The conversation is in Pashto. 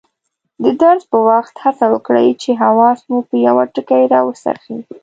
د درس په وخت هڅه وکړئ چې حواس مو په یوه ټکي راوڅرخي.